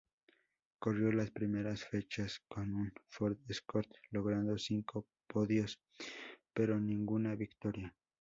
Corrió las primeras fechas con un Ford Escort, logrando cinco podios pero ninguna victoria.